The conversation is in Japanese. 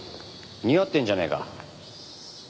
似合ってんじゃねえか。